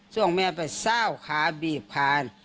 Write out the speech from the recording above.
ส่วนของแม่ไปเศร้าขาบีบพา